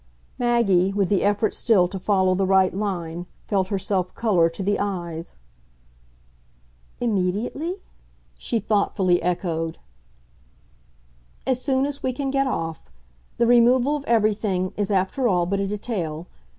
Maggie, with the effort still to follow the right line, felt herself colour to the eyes. "Immediately?" she thoughtfully echoed. "As soon as we can get off. The removal of everything is, after all, but a detail.